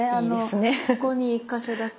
ここに１か所だけ。